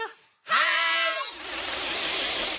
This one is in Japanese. はい！